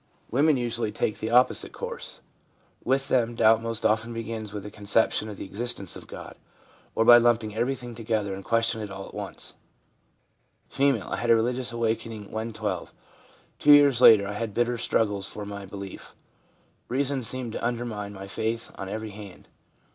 Women usually take just the opposite 17 2 3 8 THE PSYCHOLOGY OF RELIGION course; with them doubt most often begins with the conception of the existence of God, or by lumping everything together and questioning it all at once. F. 'I had a religious awakening when 12. Two years later I had bitter struggles for my belief. Reason seemed to undermine my faith on every hand.